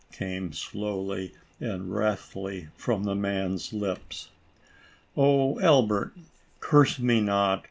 came slowly and wrathfully from the man's lips. " Oh, Albert, curse me not